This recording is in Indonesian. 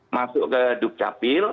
masuk ke dukcapil